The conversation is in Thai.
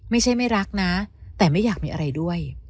ไม่ใช่ไม่รักนะแต่ไม่อยากมีอะไรด้วย